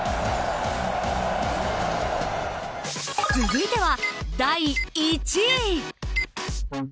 続いては第１位。